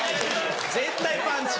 絶対パンチ。